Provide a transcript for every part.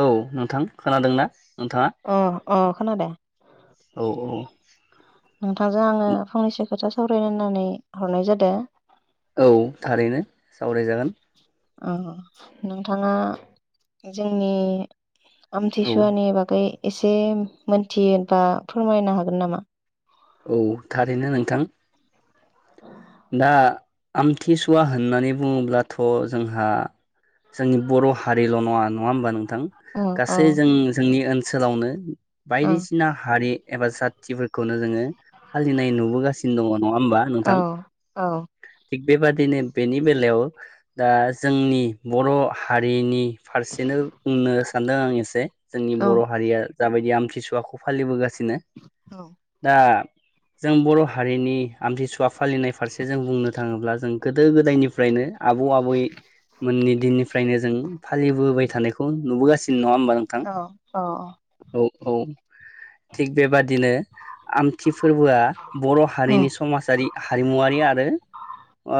औ नोंथां। खोनादों ना? अ अ खोनादों। औ औ नोंथांजों आङो फंनैसो खोथा सावरायनो होननानै हरनाय जादो। औ थारैनो सावरायजागोन। ओम नोंथाङा जोंनि आमथि औ सुवानि बागै एसे मोनथियोबा फोरमायनो हागोन नामा? औ थारैनो नोंथां। दा आमथिसुवा होननानै बुङोब्लाथ जोंहा जोंनि बर हारिल नङा नङा होमबा नों नोंथां औ औ गासै जों जोंनि ओनसोल सोलावनो औ बायदिसिना हारि एबा जाथिफोरखौनो जोङो फालिनाय नुबोगासिनो दङ नङा होमबा औ नोंथां औ थिग बेबादिनो बेनि बेलायाव दा जोंनि बर हारिनि फारसेनो बुंनो सानदों आं एसे जोंनि औ बर' हारिया जाबायदि आमथिसुवाखौ फालिबोगासि बिनो दा जों बर' हारिनि आमथिसुवा फालिनाय फारसे जों बुंनो थाङोब्ला जों गोदो गोदायनिफ्रायनो आबौ आबै मोननि दिननिफ्रायनो जों फालिबोबाय थानायखौ नुबोगासिनो नङा होनबा नोंथां औ औ औ थिग बेबादिनो आम थि फोरबोआ बर' औ हारिनि समाजारि हारिमुवा [unintelligible] ओ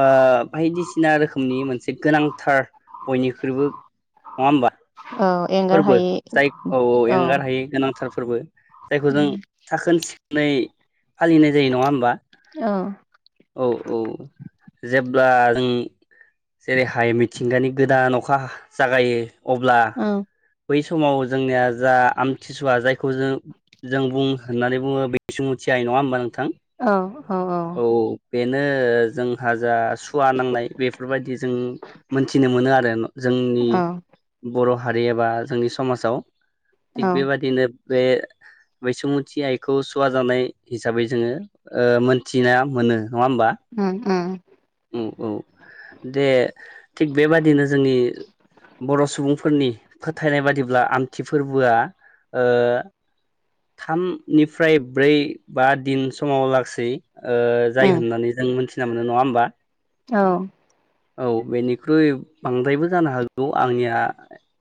बायदिसिना रोखोमनि मोनसे गोनांथार बयनिख्रुइबो नङा होमबा? औ एंगार फोरबो हायि जाय औ औ एंगारहायै गोनां। थार फोरबो जायखौ जों उम थाखोन सिख नै फालिनाय जायो नङा होमबा? औ औ औ जेब्ला जों जेरैहाय मिथिंगानि गोदान अखा हा जागायो अब्ला औ बै समाव जोंनिया जा आमथिसुवा जायखौ जों जों बुं होननानै बुङो बे [unintelligible] थियाय नङाहोमबा नों औ औ औ नो जोंहा जा सुवा नांनाय बेफोरबायदि जों मोनथिनो मोनो आरोन जोंनि औ बर' हारि एबा जोंनि समाजाव थिग औ बेबादिनो बे बैसुमुथि आइखौ सुवा जानाय हिसाबै जोङो ओ मोनथिना मोनो। होमबा ओम ओम। औ औ दे थिग बेबादिनो जोंनि बर' सुबुंफोरनि फोथायनाय बादिब्ला आमथि फोरबोआ ओ थामनिफ्राय ब्रै बा दिन समाव लासै ओ जाय उम होननानै जों मोनथि थिना मोनो नङा होमबा? औ औ बेनिख्रुइ बांद्रायबो जानो हागौ आंनिया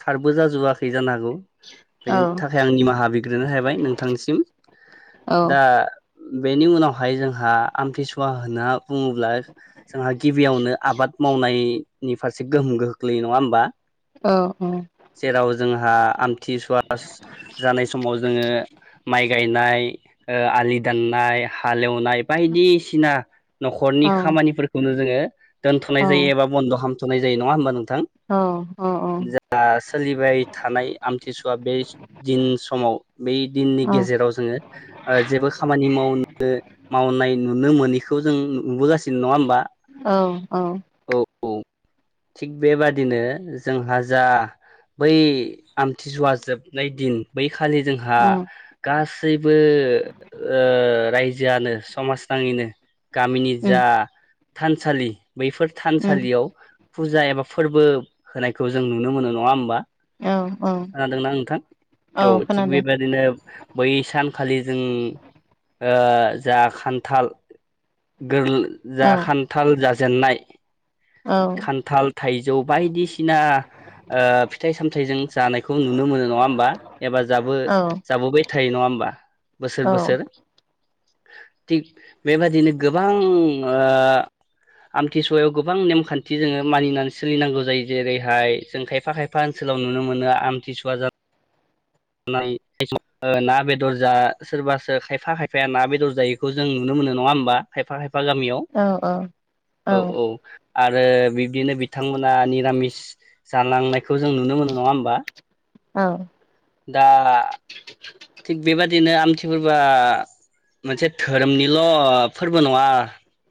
थारबो जाजोबाखै जानो हागौ । बेनि औ थाखाय आं निमाहा बिग्रोनाय थाबाय नोंथांसिम औ दा बेनि उनावहाय जोंहा आमथिसुवा होनना बुङोब्ला जोंहा गिबियावनो आबाद इनि फारसे गोहोम गोग्लैयो नङा होमबा? औ जेराव जोंहा आमथिसुवास जानाय समाव जोंङो माइ गायनाय ओ आलि दाननाय हालेवनाय नाय बायदिसिना न'खरनि औ औ खामानिफोरखौनो [unintelligible] [unintelligible] जायो औ एबा बन्द खाम थुनाय जायो नङा होनबा नों? थां औ जा सोलिबाय थानाय आमथिसुवा बे दिन समाव बे दिननि गेजेराव जोङो ओ जेबो खामानि मावनो मावनाय नुनो मोनिखौ जों नुबोगासिनो नङा होनबा? औ औ थिग बेबादिनो जोंहा जा बै आमथि सुवा जोबनाय दिन बै खालि जोंहा गास गासैबो ओ रायजोआनो समाज नाङैनो गामिनि जा थानसालि बैफोर थानसालियाव फुजा एबा फोरबो होनायखौ जों नुनो मोनो नङा होमबा औ औ खानादोंना नोंथां औ थिग बेबायादिनो बै सानखालि जों ओ जा खान्थाल गोल औ जा खान्थाल जा जेननाय औ खान्थाल थाइजौ बायदिसिना ओ फिथाइ सामथायाइजों जानायखौ नुनो मोनो नङा होमबा एबा जाबो औ जाबोबाय थायो नङा होमबा बोसोर बोसोर। थिग बेबादिनो गोबां ओ आमथिसु सुवायाव गोबां नेमखान्थि जोङो मानिनानै सोलिनांगौ जायो जेरैहाय जों खायफा खायफा ओनसोलाव नुनो मोनो आमथिसुवा जा नाय समाव ना बेदर जा सोरबासो खायफा खायफाया ना बेदर जायैखौ जों नुनो मोनो नङा होमबा खायफा खाय [unintelligible] गामियाव औ औ आरो बिब्दिनो बिथांमोना निरामिस जालांनाय खौ जों नुनो मोनो नङा होमबा दा थिग बेबादिनो आमथि फोरबोआ मोनसे धोरोमनिल' फोरबो नङा नङा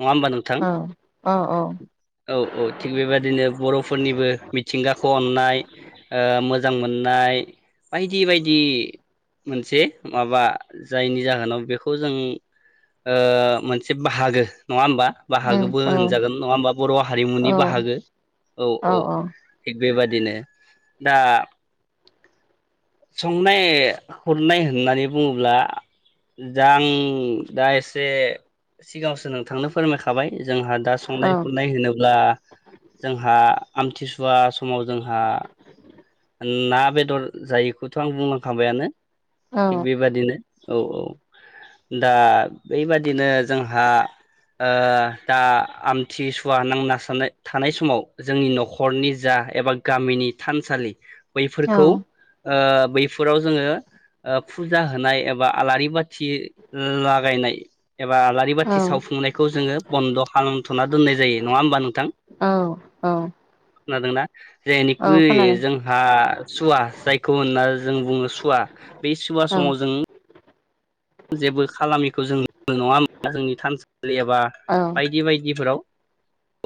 होमबा नोंथां औ औ थिग बेबायदिनो बर' फोरनिबो मिथिंगाखौ अननाय ओ मोजां मोननाय बायदि बायदि मोनसे माबा जायनि जाहोनाव बेखौ जों ओ मोनसे बाहागो नङा होमबा बाहागोबो होनजागोन नङा होमबा बर' हारिमुनि बाहागो औ औ बेबायदिनो दा संनाय हरनाय होननानै बुङोब्ला दा आं दा एसे सिगांसो नोंथांनो फोरमायखाबाय जोंहा दा संनाय खुरनाय होनोब्ला जोंहा आमथिसुवा समाव जोंहा ना बेदर जायैखौथ' आं बुंलांखाबायानो। थिक बेबादिनो औ औ दा बैबादिनो जोंहा ओ दा आमथिसुवा नांना सानाय थानाय समाव जोंनि नख'रनि जा एबा गामिनि थानसालि बैफोरखौ ओ बैफोराव जोङो ओब फुजा होनाय एबा आलारि बाथि लागायनाय एबा आलारि बाथि सावफुंनायखौ जोङो बन्द खालामथना दोननाय जायो नङा होमबा नोंथां खोनादोंना। जेनिखुइ जों आ सुवा जायखौ होनना जों बुङो सुवा बे सुवा समाव जों जेबो खालामिखौ जों नङा होमबा जोंनि थानसालि एबा बायदि बायदिफोराव।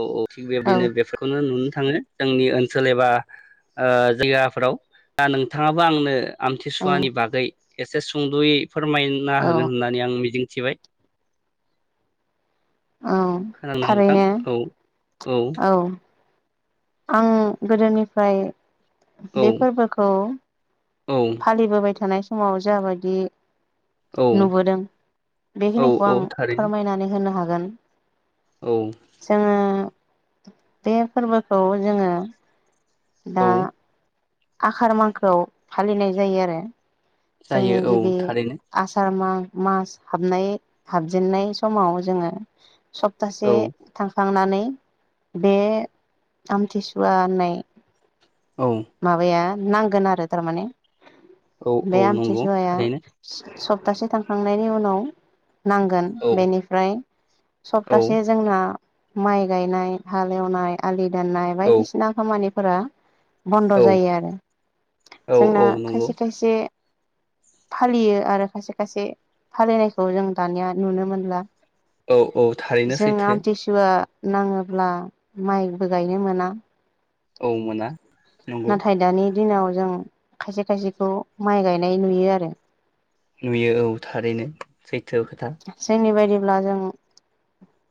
औ औ थिग बेबादिनो बेफोरखौनो नुयो। थाङो जोंनि ओनसोल एबा ओ जायगाफोराव दा नोंथाङाबो आंनो आमथिसुवानि बागै एसे सुंदयै फोरमाय ना होगोन होननानै आं मिजिं थिबाय औ थारैनो औ औ। आं गोदोनिफ्राय बे औ फोरबोखौ औ फालिबोबाय थानायस समाव जाबादि औ नुबोदों औ बेखिनिखौ औ आं थारैनो फोरमायनानै होनो हाग जागोन औ जोङो। दे फोरबो औ जोङो दा औ आखार मांखोआव फालिनाय जायो आरो। जायो जोंनि औ गिबि थारैनो आसार मांक मास हाबनाय हाबजेननाय समाव जोङो सप्तासे औ थांखांनानै बे आमथिसुवा होननाय औ माबाया नांगोन आरो तारमाने। औ बे औ नंगौ आमथिसुवाया थारैनो सब सप्तासे थांखांनायनि उनाव नांगोन औ बेनिफ्राय औ सप्तासे जोंना माइ गायनाय हाल एवनाय आलि दाननाय औ बायदिसिना खामानि फोरा बन्द औ जायो आरो औ जोंना औ नंगौ खायसे खायसे फालियो आरो खायसे खायसे फालिनायखौ जों दानिया नुनो मोनला। औ औ थारैनो जों सैथो आमथिसुवा नाङोब्ला माइबो गायनो मोना औ मोना नंगौ। नाथाय दानि दिनाव जों खायसे खायसेखौ माइ गायनाय नुयो आरो। नुयो औ थारैनो सै जोंनिबादि अब्ला जों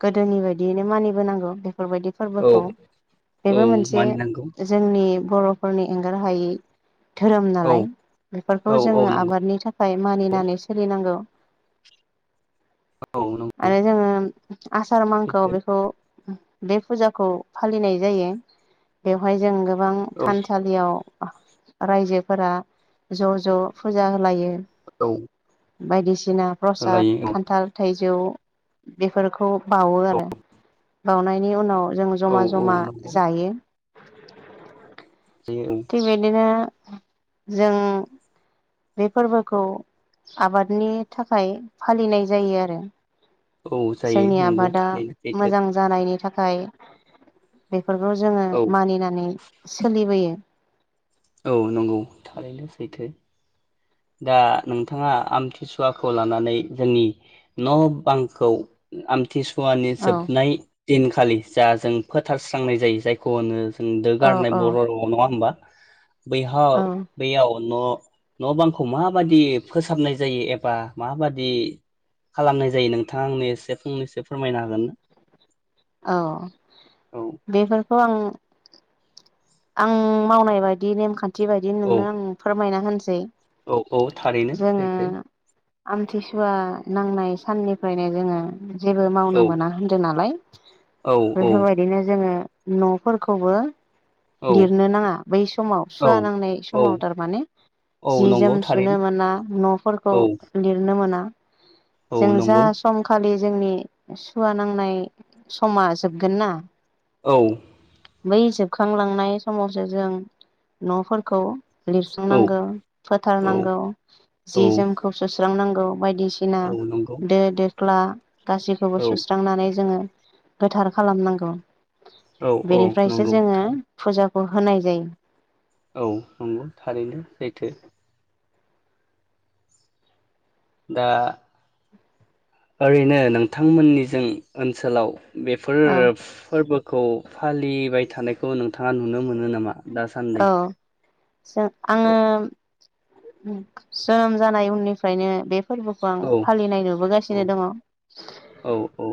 गोदोनि बायदियैनो मानिबोनांगौ बे बेफोरबायदि औ फोरबोखौ औ बेबो मोनसे मानिनांगौ जोंनि बर'फोरनि एंगार हायै। धोरोम औ नालाय बेफोरखौ औ औ जोङो नंगौ आबादनि थाखाय मानिनानै सोलिनांगौ। औ नंगौ आरो जोङो आसार मांखोआव सैथो बेखौ बे फुजाखौ फालिनाय जायो बेवहाय जों। गोबां थानसालियाव रायजोफोरा ज ज फुजा होलायो। औ। बायदिसिना औ प्रसाद लायो औ खान्थाल थाइजौ बेफोरखौ बाउवो आरो बाउनायनि उनाव जों औ औ जमा जमा नंगौ जायो। जायो थिग बिदिनो जों बे फोरबोखौ आबादनि थाखाय फालिनाय जायो आरो औ औ जायो जोंनि नंगौ आबादा थारैनो सैथो मोजां जानायनि थाखाय फाय बे बेफोरखौ जोङो औ मानिनानै सोलिबोयो औ नंगौ थारैनो सैथो। दा नोंथाङा आमथिसुवाखौ लानानै जोंनि न बांखौ आम तिसुवानि औ जोबनाय दिनखालि जा जों फोथारस्रांनाय जायो जायखौ होनो [unintelligible] दो औ गारनाय औ बर' रावाव नङा होनबा? बैहाव औ बैयाव न नबां खौ माबादि फोसाबनाय जायो एबा माबादि खालामनाय जायो नोंथाङा आंनो एसे फंनैसो फोरमायनो हागोन ना। औ औ बेफोरखौ आं आं मावनाय बायदि नेमखान्थि। न्थि बायदिनो औ नोंनो आं फोरमायना होनसै जायो। औ औ थारैनो सैथो आमथिसुवा नांनाय साननिफ्रायनो जोङो। जेबो औ मावनो मोना होन्दों नालाय। औ औ बेफोरबायदिनो जोङो। न' फोरखौबो औ लिरनो नाङा बै समाव सुवा नांनाय औ औ समाव थारमाने औ जि नंगौ जोम सुनो थारैनो मोना नफोरखौ औ लिरनो मोना। औ जों जा नंगौ समखालि। जोंनि सुवा नांनाय समा जोबगोन ना। औ बै जोबखांलाङ। थांनाय समावसो जों नफोरखौ औ लिरस्रांनांगौ औ फोथारनांगौ औ जि जोमखौ सुस्रांनांग बायदिसिना औ नंगौ दो दोख्ला गासैखौबो औ सुस्रांनानै जोङो। गोथार खालामनांगौ। औ औ बेनिफ्रायसो नंगौ जोङो थार। फुजाखौ होनाय जायो औ नंगौ थारैनो सैथो। दा। ओरैनो नोंथांमोननिजों ओनसोलाव बेफोर औ फोरबो। खौ फालिबाय थानायखौ नोंथाङा नुनो मोनो मोनो नामा दासान्दै। औ जों आङो जोनोम जानाय उननिफ्रायनो बे। फोरबोखौ आं औ फालिनाय औ नुबोगासिनो दङ। औ औ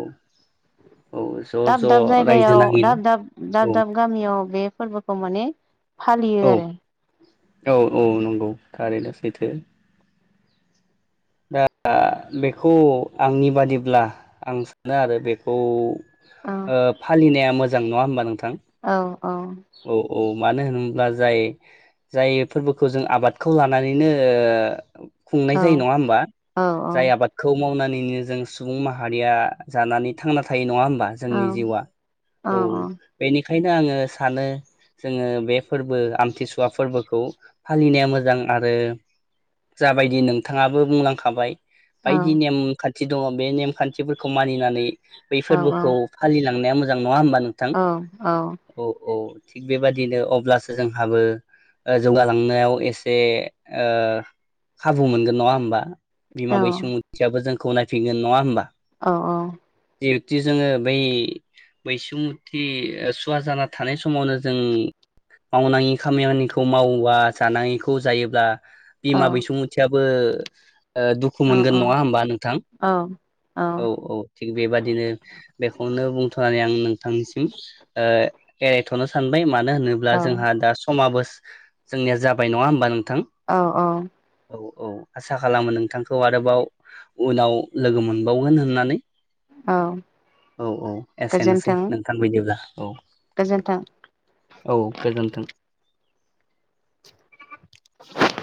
औ ज' दाब ज' दाब रायजो जायगायाव नाङैनो दाब दाब औ दाब दाब गामियाव बे। फोरबोखौ माने। फालियो औ आरो औ औ नंगौ थारैनो सैथो । दा बेखौ आंनि बादिब्ला आं सानो आरो बेखौ औ ओ फालिनाया मो जां नङा होमबा नों औ औ मानो होनोब्ला जाय जाय फोरबोखौ जों आबादखौ लानानैनो ओह औ खुंनाय जायो नङा होमबा औ जाय आबादखौ मावनानैनो जों सुबुं माहारिया जानानै थांना थायो। नङा होमबा औ जोंनि जिउआ औ बेनि खायनो आंङो सानो जोंङो बे फोरबो आमथिसुवा फोरबोखौ फालिनाया मोजां आरो जाबायदि नोंथाङाबो बुंलां खाबाय औ बायदि नेम खा थि दङ बे नेमखान्थिफोरखौ मानिनानै बै औ औ फोरबोखौ फालिलां नुनाया मोजां नङा होमबा नोंथां औ औ थिग बेबादिनो अब्लासो जोंहाबो ओ जौगालांनायाव एसे ओ खाबु मोनगोन नङा होमबा? बिमा बैसोमुथियाबो जों गनायफैगोन नङा होमबा औ औ। जिहुति जोंङो बै बैसोमुथि सुवा जाना थानाय समावनो जों मावनाङि खामावनिखौ मावोब्ला जानाङिखौ जायोब्ला बिमा बैसुमथिया बो ओह दुखु मोनगोन नङा होमबा नोंथां? औ औ थिग बेबादिनो बेखौनो बुंथनानै आं नों थांसिम ओ एरायथनो सानबाय मानो नो होनोब्ला जोंहा औ दा समाबो सो जोंनिया जाबाय नङा होमबा नों अ अ औ आसा खालामो नोंथांखौ आरोबाव उनाव लोगो मोनबावगोन होननानै। औ औ औ एसेनोसै गोजोन्थों नोंथां बैदिब्ला। औ गोजोन्थों औ गोजोन्थों। [inaudible]